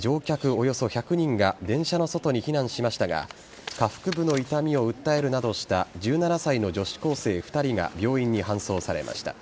およそ１００人が電車の外に避難しましたが下腹部の痛みを訴えるなどした１７歳の女子高生２人が病院に搬送されました。